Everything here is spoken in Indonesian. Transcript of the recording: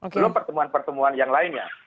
belum pertemuan pertemuan yang lainnya